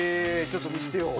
ちょっと見せてよ。